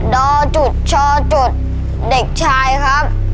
ดชเด็กชายครับ